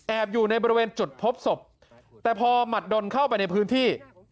อยู่ในบริเวณจุดพบศพแต่พอหมัดดนเข้าไปในพื้นที่